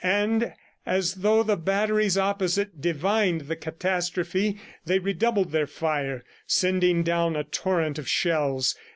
And as though the batteries opposite divined the catastrophe, they redoubled their fire, sending down a torrent of shells.